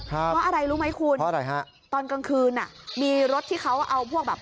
ว่าอะไรรู้ไหมคุณตอนกลางคืนมีรถที่เขาเอาพวกแบบ